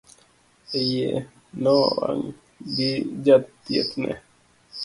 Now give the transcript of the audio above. Iye nowang' gi jathiethne